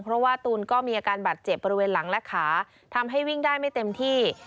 เพราะว่าตูนก็มีอาการบาดเจ็บบริเวณหลังและขาทำให้วิ่งได้ไม่เต็มที่